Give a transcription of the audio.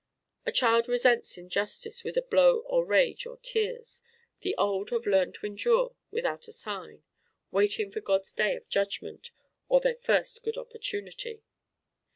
A child resents injustice with a blow or rage or tears: the old have learned to endure without a sign waiting for God's day of judgment (or their first good opportunity!).